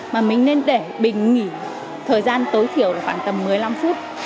mà mình nên để bình nghỉ thời gian tối thiểu là khoảng tầm một mươi năm phút